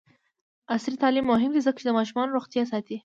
عصري تعلیم مهم دی ځکه چې د ماشومانو روغتیا ساتي.